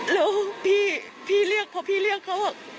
แล้วพี่เรียกพอพี่เรียกเขา